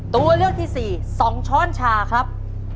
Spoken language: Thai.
ตัวเลือกที่๔๒ช้อนชาครับ